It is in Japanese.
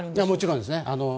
もちろんですね。